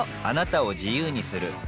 あなたを自由にする